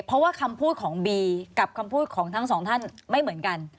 เพราะว่าคำพูดของบีกับคำพูดของทั้งสองท่านไม่เหมือนกัน